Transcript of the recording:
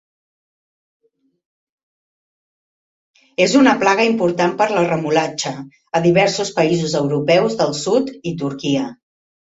És una plaga important per la remolatxa a diversos països europeus del sud i Turquia.